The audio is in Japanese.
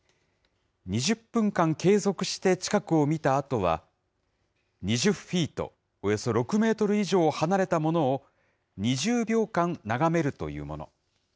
２０分間継続して近くを見たあとは、２０フィート、およそ６メートル以上離れたものを２０秒間眺めるというもの。